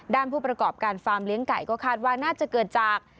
ผู้ประกอบการฟาร์มเลี้ยงไก่ก็คาดว่าน่าจะเกิดจาก